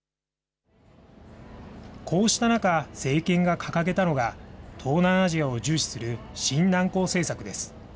こうした中、政権が掲げたのが、東南アジアを重視する新南向政策です。